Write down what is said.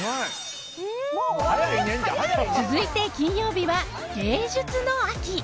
続いて金曜日は、芸術の秋！